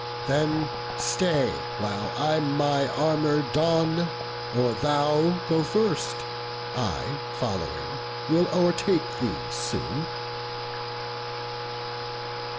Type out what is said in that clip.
Then stay, while I my armour don; or thou Go first: I, following, will o'ertake thee soon."